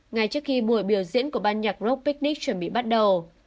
ngay trước khi mùa biểu diễn của ban nhạc rock picnic chuẩn bị bắt đầu